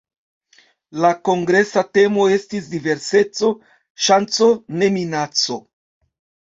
La kongresa temo estis "Diverseco: ŝanco, ne minaco".